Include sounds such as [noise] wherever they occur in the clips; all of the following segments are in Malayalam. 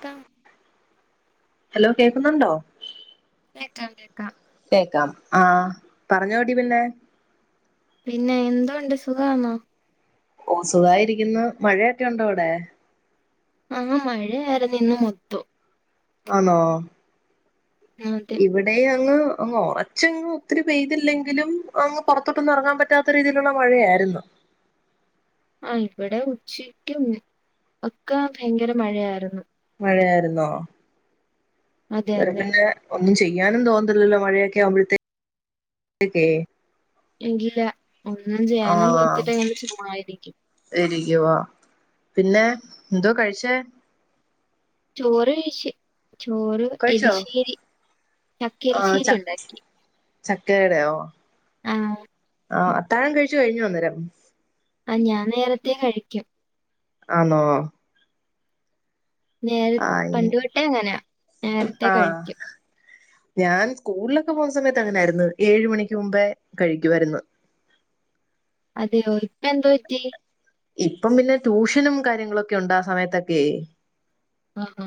ത്ത ഹലോ കേക്കുന്നുണ്ടോ കേക്കാം കേക്കാം കേക്കാം ആ പറഞ്ഞോടി പിന്നെ പിന്നെ എന്തൊണ്ട് സുഖാന്നോ? ഓ സുഖായി ഇരിക്കുന്നു മഴയൊക്കെയുണ്ടോ അവിടെ ആ മഴയായിരുന്നു ഇന്ന് മൊത്തം ആന്നോ അതെ ഇവിടെയും അങ്ങ് അങ്ങ് ഒറച്ചങ്ങു ഒത്തിരി പെയ്തില്ലെങ്കിലും അങ്ങ് പൊറത്തൊട്ടൊന്നും ഇറങ്ങാൻ പറ്റാത്ത രീതിയിലുള്ള മഴയായിരുന്നു. ആ ഇവിടെ ഉച്ചക്കും ഒക്കെ ഭയങ്കര മഴയായിരുന്നു മഴയായിരുന്നോ? അതെ ഇവടെ അതെ പിന്നെ ഒ ഒന്നും ചെയ്യാനും തോന്നരുതല്ലോ മഴയൊക്കെ ആവുമ്പഴത്തേക്കേ ഇല്ല ഒന്നും ചെയ്യാനും ആഹ് തോന്നതില്ല ഇങ്ങനെ ചുമ്മായിരിക്കും ഇരിക്കുവാ പിന്നെ എന്തോ കഴിച്ചേ? ചോറ് കഴിച്ച്. ചോറ്, കഴിച്ചോ എളിശേരി. ആഹ് ചക്കയെരിശ്ശേരി ച ഉണ്ടാക്കി ആ ആ അത്താഴം കഴിച്ചു കഴിഞ്ഞോ അന്നേരം. ആ ഞാൻ നേരത്തെ കഴിക്കും. ആണോ നേര ഇനി പണ്ടുതൊട്ടെ അങ്ങനാ നേരത്തേ ആഹ് കഴിക്കും ഞാൻ സ്കൂളിലൊക്കെ പോകു സമയത്ത് അങ്ങനായിരുന്നു ഏഴു മണിക്ക് മുമ്പേകഴിക്കുവായിരുന്നു അതെയൊയ് ഇപ്പം പിന്നെ ട്യൂഷനും കാര്യങ്ങളൊക്കെയൊണ്ടേ ആ സമയത്തൊക്കെയെ ആ ആ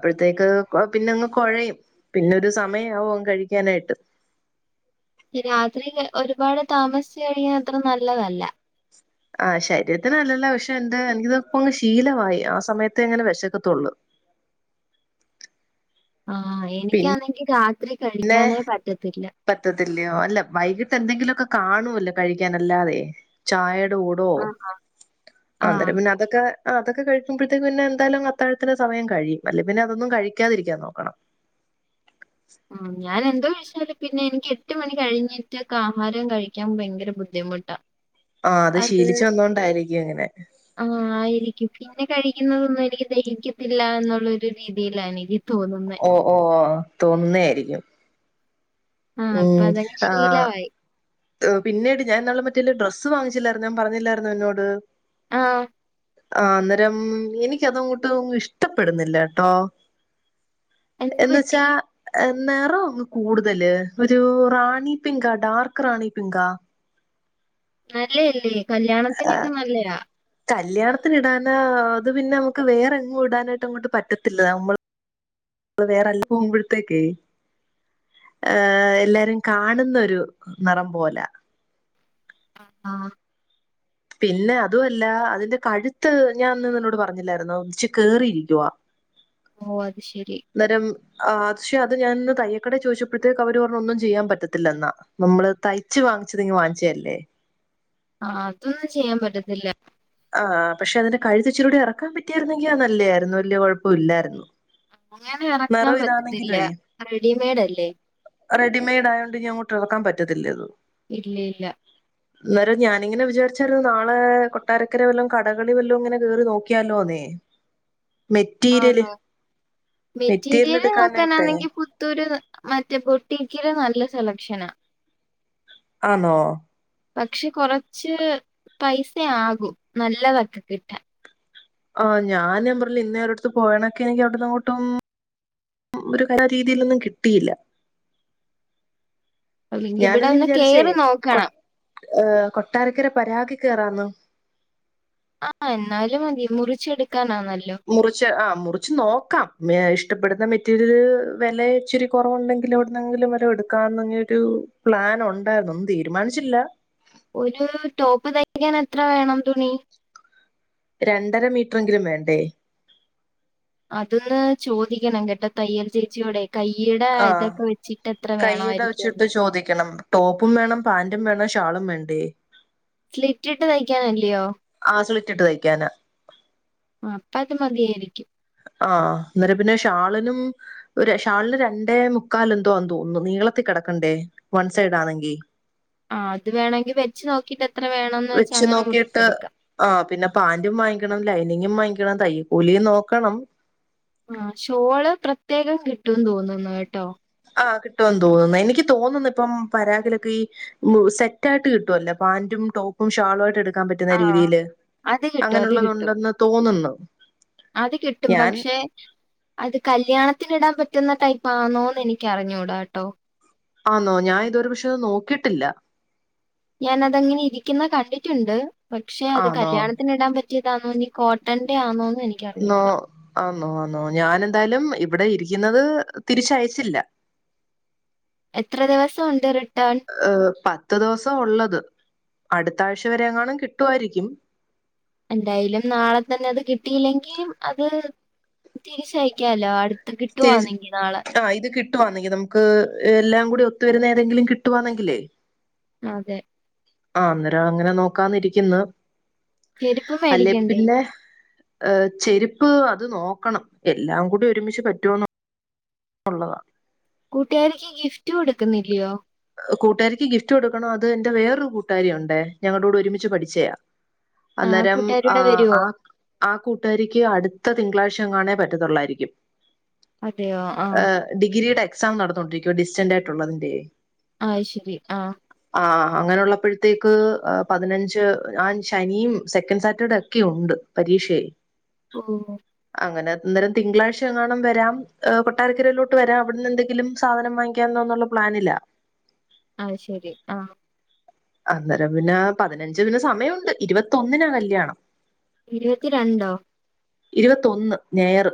അപ്പോഴത്തേക്ക് പിന്നെയങ്ങ് കൊഴയും പിന്നെ ഒരു സമയം ആവും കഴിക്കാനായിട്ട് രാത്രി ഒരുപാട് താമസിച്ചുകഴിഞ്ഞാ അത്ര നല്ലതല്ല ആ ശരീരത്തിന് നല്ലതല്ല പക്ഷെ എന്താ എനിക്കിതപ്പോ അങ്ങ് ശീലമായി ആ സമയത്ത് അങ്ങനെ വെശക്കത്തൊള്ളു ആ പിന്നെ എനിക്കാന്നെങ്കി രാത്രി കഴിക്കാനേ പറ്റത്തില്ല പറ്റത്തില്ലയോ അല്ല വൈകിട്ട് എന്തെങ്കിലുമൊക്കെ കാണുവല്ലോ കഴിക്കാനല്ലാതെ ചായെടെ ടെ കൂടോ ആഹ്. ആഹ്. അന്നേരം പിന്നെ അതൊക്കെ ആ അതൊക്കെ കഴിക്കുമ്പഴത്തേക്ക് പിന്നെ എന്തായാലും അത്താഴത്തിന്റെ സമയം കഴിയും അല്ലേ പിന്നെ അതൊന്നും കഴിക്കാതിരിക്കാൻ നോക്കണം ഉം ഞാനെൻറെ വീ [unintelligible] പിന്നെ എനിക്ക് എട്ട് മണി കഴിഞ്ഞിട്ട് ഒക്കെ ആഹാരം കഴിക്കാൻ ഭയങ്കര ബുദ്ധിമുട്ടാ ആ അത് ശീലിച്ചു വന്നോണ്ടായിരിക്കും അങ്ങനെ ആഹ് ആയിരിക്കും. പിന്നെ കഴിക്കുന്നതൊന്നും എനിക്ക് ദഹിക്കത്തില്ല എന്നുള്ള ഒരു രീതിയിലാണ് ഓ ഓ തോന്നുന്ന ആയിരിക്കും ആഹ് അപ്പൊ ഉം അതങ്ങ് ആഹ് ശീലവായി. പിന്നീട് ഞാൻ ഇന്നാളില് മറ്റേഇല്ലേ ഡ്രസ്സ് വാങ്ങിച്ചില്ലായിരുന്നോ ഞാൻ പറഞ്ഞില്ലായിരുന്നോ നിന്നോട് ആ ആ അന്നേരം എനിക്ക് അതങ്ങോട്ട് അങ്ങ് ഇഷ്ടപ്പെടുന്നില്ല കെട്ടോ എന്ത് എന്ന് പറ്റി? വെച്ചാ നിറംഅങ്ങ് കൂടുതല് ഒരു റാണി പിങ്കാ ഒരു ഡാർക്ക് റാണി പിങ്കാ നല്ലല്ലേ കല്യാണത്തിനെക്കെ നല്ലയാ കല്യാണത്തിന് ഇടാനാ അത് പിന്നെ നമുക്ക് വേറെങ്ങും ഇടാനായിട്ട് അങ്ങോട്ട് പറ്റത്തില്ല നമ്മ മ്മള് വേറെല്ലാ പോകുമ്പഴത്തേക്കേ ഏ എല്ലാരും കാണുന്നൊരു നിറം പോലാ ആ ആ പിന്നെ അതുമല്ല അതിന്റെ കഴുത്ത് ഞാൻ അന്ന് നിന്നോട് പറഞ്ഞില്ലായിരുന്നോ ഇച്ചിരി കേറിയിരിക്കുവാ ഓ അത് ശരി ആ അത്ക്ഷേ അത് ഞാനന്ന് തയ്യക്കടെ ചോദിച്ചപ്പോഴത്തേക്ക് അവര് പറഞ്ഞു ഒന്നും ചെയ്യാൻ പറ്റത്തില്ലെന്നാ നമ്മള് തയ്ച്ച് വാ വാങ്ങിച്ചത് ഇങ്ങു വാങ്ങിച്ചതല്ലേ ആ അതൊന്നും ചെയ്യാൻ പറ്റത്തില്ല ആഹ് പക്ഷെ അതിന്റെ കഴുത്ത് ഇച്ചിരികൂടെ എറക്കാൻ പറ്റിയായിരുന്നെങ്കിൽ അത് നല്ല ആയിരുന്നു വലിയ കൊ ഴപ്പമില്ലായിരുന്നു അങ്ങനെ എറക്കാൻ പറ്റത്തില്ല റെഡിമെയഡ് അല്ലേ റെഡിമെയ്ഡ് ആയോണ്ട് ഇനി അങ്ങോട്ട് എറക്കാൻ പറ്റത്തില്ലേ അത് ഇല്ല ഇല്ല അന്നേരം ഞാനിങ്ങനെ വിചാരിച്ചാരുന്നു നാളെ കൊ കൊട്ടാരക്കരവല്ലോ കടകളിൽ വല്ലോ ഇങ്ങനെ കേറി നോക്കിയാലോ എന്നേ ആന്നോ? മെറ്റീരിയല് മെറ്റീരിയൽ മെറ്റീരിയല് എടുക്കാനായിട്ടെ നോക്കാനാന്നെങ്കി പുത്തൂര് മറ്റേ ബൊട്ടിക്കില് നല്ല സെലക്ഷനാ ആണോ പക്ഷെ കൊറച്ച് പൈസയാകും നല്ലതെക്കെ കിട്ടാൻ ആ ഞാനമ്പറിഞ്ഞില്ലേ ഇന്നേ ഒരിടത്ത് പോകണങ്കി എനിക്ക് അവിടുന്ന് അങ്ങോട്ടും ഒരു കര രീതിയിലൊന്നും കിട്ടിയില്ല അല്ലെങ്കി ഇവിടെ ഒന്ന് കേറി നോക്കണം ഏർകൊട്ടാരക്കര പരാഗി കേറാന്നോ ആഹ എന്നാലും മതി മുറിച്ചെടു മുറിച്ച് ആ മുറിച്ച് നോക്കാം മേഷ് ഇഷ് പ്പെടുന്ന മെറ്റീരിയൽ വില ഇച്ചിരി കുറവുണ്ടെങ്കിൽ എവിടുന്നെങ്കിലും വരെ എടുക്കാംന്നൊരു പ്ലാൻ ഞാൻ ഉണ്ടായിരുന്നു ഒന്നും തീരുമാനിച്ചില്ല ഒരു ടോപ്പ് തയ്ക്കാൻ എത്ര വേണം തുണി രണ്ടര മീറ്ററെങ്കിലും വേണ്ടേ അതൊന്ന് ചോദിക്കണം കേട്ടോ തയ്യൽ ചേച്ചിയോടെയ് കൈയുടെ ആഹ് ഇതൊക്കെ വെച്ചിട്ട് എത്ര വേണായിരിക്കും പ്പും വേണം പാന്റും വേണം ഷാളും വേണ്ടേ സ്ലിറ്റിട്ട് തയ്ക്കാനല്യോ ആ സ്ലിറ്റിട്ട് ളി തയ്ക്കാനാ അപ്പ അത് മതിയായിരിക്കും ആഹ് അന്നേരം പിന്നെ ഷാളിനും ഒരു ഷാളിന് രണ്ടേ മുക്കാലന്തോന്ന് തോന്നുന്നു നീ നീളത്തി കടക്കണ്ടേ വൺ സൈഡാണെങ്കി ആ അത് വേണെങ്കിൽ വെച്ച് നോക്കീട്ട് വെച്ച് നോക്കിയിട്ട് ആ പിന്നെ പാന്റും വാങ്ങിക്കണം ലൈനി - ങ്ങും വാങ്ങിക്കണം തയ്യ കൂലിയും നോക്കണം ആ ഷോള് പ്രത്യേകം കിട്ടുംന്ന് തോന്നുന്നു കെ ട്ടോ ആ കിട്ടുമോന്ന് തോന്നുന്നു എനിക്ക് തോന്നുന്നു ഇപ്പം പരാഗിലൊക്കെ ഈ സെറ്റായിട്ട് കിട്ടുവല്ലേ പാന്റും ടോപ്പും ഷാളും ആയിട്ട് എടുക്കാൻ പറ്റുന്ന ആഹ് രീതിയിൽ അത് കിട്ടും അത് കിട്ടും അങ്ങനെയുള്ളത്ണ്ടെന്ന് തോന്നുന്നു അത് കിട്ടും ഞാൻ പക്ഷെ അത് കല്യാണത്തിന് ഇടാൻ പറ്റ- പറ്റുന്ന ടൈപ്പാണോന്ന് എനിക്ക് അറിഞ്ഞൂടാ കേട്ടോ ആണോ ഞാൻ ഇതു വരെ പക്ഷേന്ന് നോക്കിട്ടില്ല ഞാനതങ്ങനെ ഇരിക്കുന്ന കണ്ടിട്ടുണ്ട് പക്ഷെ അത് ആന്നോ കല്യാണത്തിന് ഇടാൻ പറ്റിയതാണോഇഞ്ഞി കോട്ടന്റെ ആണോ നൊ ആനൊ ഞാനെന്തായാലും ഇവിടെ ഇരിക്കുന്നത് തിരിച്ചയച്ചില്ല എത്ര ദിവസം ഉണ്ടര് ഏ പത്ത് ദിവസം ഉള്ളത് അടുത്താഴ്ച വരെ എങ്ങാനും കിട്ടുവാ യിരിക്കും എന്തായാലും നാളെ തന്നെ അത് കിട്ടിയില്ലെങ്കിം അത് തിരിച്ചയക്കാലോ അടു- രതി ആഇത് കിട്ട വാന്നെങ്കിൽ നമുക്ക് എല്ലാം കൂടി ഒത്തൊരു നേരംങ്കിലും കിട്ടുവാന്നെങ്കിലേ അതെ ആ അന്നേരം അങ്ങനെ നോക്കാന്നിരിക്കുന്നു ചെരുപ്പും മേടിക്കണ്ടേ ഏ ചെരുപ്പ് അത് നോക്കണം എല്ലാം കൂടി ഒരുമിച്ച് പറ്റോന്ന് ഉള്ളതാ കൂട്ടുകാര്ക്ക് ഗിഫ്റ്റ് കൊടുക്കുന്നില്ലയോ കൂട്ടാരിക്ക്ഗിഫ്റ്റ് കൊടുക്കണം അതോ എന്റെ വേറൊരു കൂട്ടാരിയ ഉണ്ടേ ഞങ്ങളോടെ ഒരുമിച്ച് പഠിച്ചയാ ആഹ് അന്നേരം ആ കൂട്ടുകാരിയുടെ വരുവോ ആ ആ കൂട്ടുകാരിക്ക് അടുത്ത തിങ്കളാഴ്ച ങ്ങാനെ പറ്റുത്തു ള്ളായിരിക്കും അതെയോ ഏ ആഹ് ഡിഗ്രിയുടെ ക്സാം നടന്നുകൊണ്ടിരിക്കുവ ഡിസ്റ്റന്റ് ആയിട്ടുള്ളതെന്തേ ആഹ് ശരി ആ ആ അങ്ങനുള്ളപ്പഴത്തേക്ക് പതിനഞ്ച് ഞാൻ ശനിയും സെക്കൻഡ് സാറ്റർഡേ ഒക്കെയുണ്ട് പരീക്ഷേ ഓ അങ്ങനെ അന്നേരം തിങ്കാഴ്ചഎങ്ങാനം വരാം കൊട്ടാരക്കരയിലോട്ട് വരാം അ വിടുന്ന് എന്തെങ്കിലും സാദനം വാങ്ങിക്കാലോ വാങ്ങിക്കാ ന്നൊള്ള പ്ലാനില ആ ശരി ആ അന്നരം പിന്നാ പതിനഞ്ച് സമയുണ്ട് ഇരുപത്തൊന്നിനാ കല്യാണം ഇരുപത്തി രണ്ടോ ഇരുപത്തൊന്ന് ഞായർ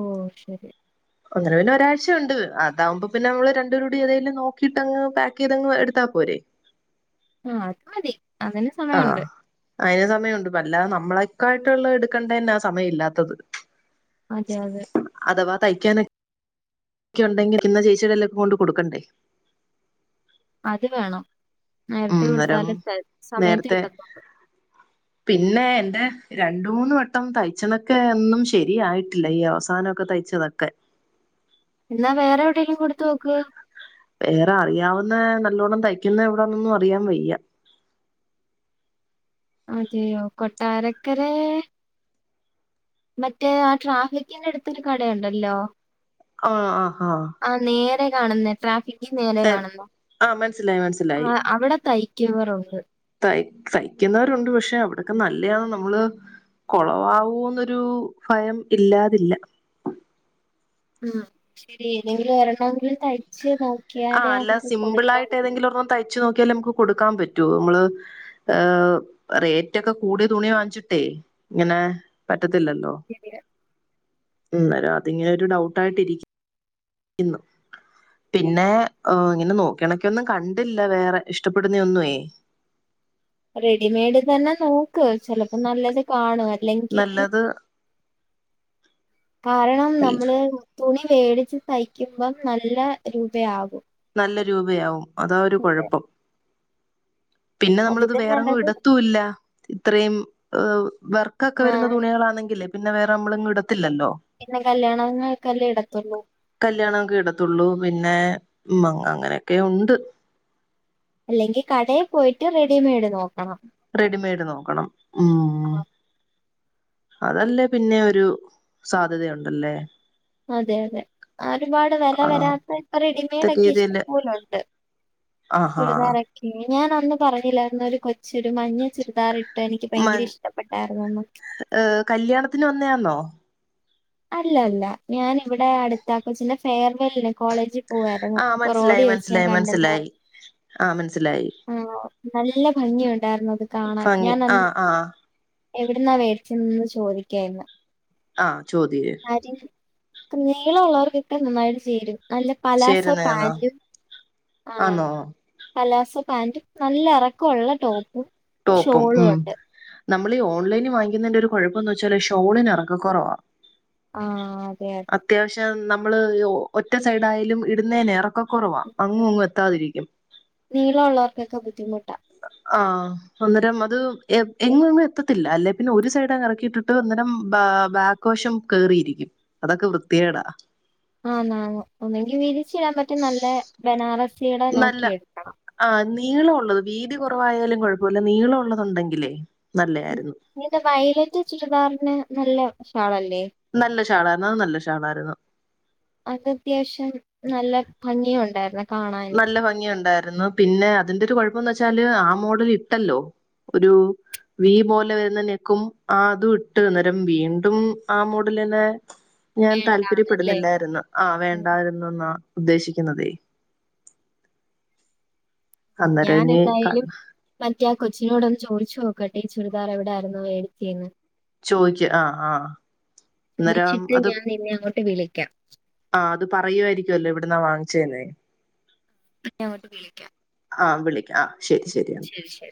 ഓ ശരി ഒന്ന് രണ്ട് ഒരാഴ്ച്ചയുണ്ട് അതാവുമ്പപ്പിന്നെ നമ്മൾ രണ്ടോരുങ്കൂടി ഏതേലും നോക്കീട്ടങ്ങ് പായ്ക്കെയ്തങ്ങ് എടുത്താ പോരെേ ആ അത് മതി അതന്നെ സമയുണ്ട് അയിന് സമയുണ്ട് അല്ലാതെ നമ്മളെക്കായിട്ടല്ല എടുക്കേണ്ട തന്നെ ആ സമയം ഇല്ലാത്തത് അതെ അതെ തയ്ക്കാന ക്കെണ്ടെങ്കിൽ ഇന്ന ചേച്ചി ക്കൊക്കെ കൊണ്ട് കൊടുക്കണ്ടേ അത് വേണം മ് നേരത്തെ ന്നരം കൊടുത്താല് സമയത്ത് നേരത്തെ കിട്ടത്തുള്ളൂ പിന്നെ എന്റെ രണ്ട മൂന്ന് വട്ടം തയ്ച്ചണക്കെ ഒന്നും ശരിയായിട്ടില്ല ഈ അവസാനമൊക്കെ തയ്ച്ചതൊക്കെ എന്നാ വേറെ എവിടെങ്കിലും കൊടുത്ത് നോക്ക് വേറെ അറിയാവുന്ന നല്ലോണ്ണം തയ്ക്കുന്ന എവിടന്നൊന്നും അറിയാൻ വയ്യ അതെയോ കൊട്ടാരക്കരെ മറ്റേ ആ ട്രാഫിക്കിന്റെ അടുത്തൊരു കടയുണ്ടല്ലോ ആ ആഹ് ആ കാണുന്നേ ട്രാഫിക്കിൻ നേരെ കാണുന്ന ആഹ് മനസ്സിലായി മനസ്സിലായി അവിടെ തയിക്കുവറുണ്ട് തയ് തയ്ക്കുന്നവരുണ്ട് പക്ഷെ അവിടൊക്കെ നല്ലയാണ് നമ്മള് കൊളവാവൂന്നൊരു ഭയം ഇല്ലാതില്ല മൂ ശരി ഏതെങ്കിലും ഒരണ്ണവെങ്കിലും തയിച്ചു നോക്കാം ആ നല്ല സിമ്പിൾ ആയിട്ട്ഏതെങ്കിലും ഒരണ്ണം തയ്ച്ചുനോ ക്യാലേ നമുക്ക് കൊടുക്കാൻ പറ്റൂ നമ്മള് ഏ റേറ്റ് ഒക്കെ കൂടിയ തുണി വാങ്ങിച്ചിട്ടേ ഇങ്ങനെ പറ്റത്തില്ലല്ലോ പറ്റുക അന്നേരം അതിങ്ങനെ ഒരു ഡൗട്ടായിരിക്കും ഇന്ന് പിന്നെ ഏ ഇങ്ങനെ നോക്കിയണക്കൊ ന്നും കണ്ടില്ല വേറെ ഇഷ്ടപ്പെടുന്ന ഒന്നുവേ [unintelligible] റെഡിമേഡ് തന്നെ നോക്ക് ചിലപ്പോ നല്ലത് കാണു അല്ലെങ്കിൽ നല്ലത് കാരണം നമ്മള് തുണി മെടിച്ച് തയിക്കുമ്പം നല്ല രൂപയാകും നല്ല രൂപയാവും അതാ ഒരു അതെ കുഴപ്പം പിന്നെ നമ്മളത് അതിലും വേറെങ്ങും നല്ലത് ഇടത്തും ഇല്ല ഇത്രയും ഏ വർക്കൊക്കെ വരുന്ന ആഹ് തുണികളാണെങ്കിലേ പിന്നെ വേറെ നമ്മൾ ഇട ത്തില്ലല്ലോ പിന്നെ കല്യാണങ്ങൾക്കല്ലേ ഇടത്തുള്ളൂ കല്യാണംക്കെ ഇടത്തൊള്ളു പിന്നെ ഉം അങ്ങനെയൊക്കെ ഉണ്ട് അല്ലെങ്കിൽ കടയിൽ പോയിട്ട് റെഡിമെയ്ഡ് നോക്കണം റെഡിമെയഡ് നോക്കണം ഉം അതല്ലേ പിന്നെ ഒരു സാധ്യതുണ്ടല്ലേ അതെ അതെ ഒരുപാട് വെല ആ വരാത്ത റെഡിമെയഡ് ഒക്കെ രീതിയില് ഇഷ്ടംപോലുണ്ട് ആഹാ ചുരിദാറൊക്കെ ഞാൻ അന്ന് പറഞ്ഞില്ലായിരുന്നു ഒരു കൊച്ചൊരു മഞ്ഞ ചുരിദാർട്ട് എനിക്ക് ഭയങ്കര മൻ ഇഷ്ടപ്പെട്ടായിരുന്നന്ന് ഏഹ് കല്യാണത്തിന് വന്നയാന്നോ അല്ലല്ല ഞാന് ഇവിടെ അടുത്ത കൊച്ചിൻ്റെ ഫെയർവെല്ന് കോളേജിൽ പോവരുന്നു ആഹ് ഇപ്പൊ മനസ്സിലായി റോഡി വെച്ച് ഞാൻ മനസ്സിലായി കണ്ടന്ന് പറഞ്ഞ മനസ്സിലായി ആഹ് മനസ്സിലായി ഉം ഓ ഉം നല്ല ഭംഗിയ ഉണ്ടായിരുന്നു അത് കാണാൻ ഭംഗി ഞാൻ അന്ന് ആഹ് ആഹ് എവിടുന്നാ മേടിച്ചന്ന് ചോദിക്കായിന്ന് ആ ചോദ്യയേസ് അപ്പ നീളള്ളവർക്കൊക്കെ നന്നായിട്ട് ചേരും അല്ല പലാസോ ചേരുന്നയാന്നോ പാാന്റും ആ ആന്നോ പലാസോ പാന്റ് നല്ല ഇറക്കള്ള ടോ ടോപ്പും ഉം നമ്മൾ ഈ ഓൺലൈനിൽ വാങ്ങിക്കുന്നന്റെ ഒരു കുഴപ്പംന്ന് വെച്ചാല് ഷോളിന് ഇറക്ക കുറവാ ആ അതെ അതെ നമ്മള് ഒറ്റ സൈഡാ ആയാലും ഇടുന്നതിന് എറക്കം കുറവാ അങ്ങും ഇങ്ങും എത്താതിരിക്കും നീളമുള്ളവർക്കൊക്കെ ബുദ്ധിമുട്ടാ ആ അന്നേരം അത് എങ്ങ് ങ്ങും എത്തത്തില്ല അല്ലെ പിന്നെ ഒരു സൈഡ് ങ്ങ് ഇറക്കിയിട്ടിട്ട് അന്നേരം ബാ ബക്ക് വശം കേറിയിരിക്കും അതൊക്കെ വൃത്തികേടാ ആന്നു അന്നു ഒന്നെങ്കി വിരിച്ചിടാൻ പറ്റുന്ന നല്ല ബനാറസിയുടെ നോക്കിയെടുക്കണം നീളം ഉള്ളത് വീതി കുറവായാലും കുഴപ്പല്ല നീള ഉള്ളത് ഉണ്ടെങ്കിലേ ഇങ്ങനത്തെ വയലറ്റ് ചുരിദാറിന് നല്ലഷാലായിരിക്കും നല്ലഷാളായിരുന്നു അത് നല്ല ഷാളായിരുന്നു അത് അത്യാവശ്യം നല്ല ഭംഗിയും ഉണ്ടായിരുന്നു നല്ല ഭംഗി ഉണ്ടായിരുന്നു പിന്നെ അതിന്റെ ഒരു കുഴപ്പംന്ന് വെച്ചാല് ആ മോഡൽ ഇട്ടല്ലോ ഒരു വീ പോലെ വരുന്ന നെക്കും ആ അതും ഇട്ട് അന്നേരം വീണ്ടും ആ മോഡലന്നെ ഞാൻ വേണ്ടാന്നല്ലേ താല്പര്യപ്പെടുന്നില്ലായിരുന്നു ആ ഉം. വേണ്ടായിരുന്നു ന്നാ ഉദ്ദേശിക്കുന്നതേ. അന്നേരം ഇനി ഞാനെന്തായിലും മറ്റെ കൊച്ചിനോടൊന്ന് ചോയ്ച്ചോക്കട്ടെ ഈ ചുരിദാർ എവിടായിരുന്നു വേടിച്ചേ ന്ന്‌ ചോയ്ക്ക് ആഹ് ആഹ് അന്നേരം ചോദിച്ചിട്ട് അത് ഞാൻ നിന്നെ അങ്ങോട്ട് വിളിക്കാം ആ അത് പറയുവായിരിക്കുവല്ലോ എവ്ട്ന്നാ വാങ്ങിച്ചേന്ന്‌ ഞാൻ അങ്ങോട്ട് വിളിക്കാം ആഹ് വിളിക്കാം ആഹ് ശെരി ശെരിന്നാ ശരി ശരി